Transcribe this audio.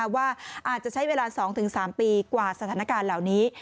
ว่าอาจจะใช้เวลา๒๓ปีกว่าสถานการณ์เหล่านี้